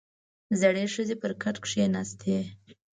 • زړې ښځې پر کټ کښېناستې.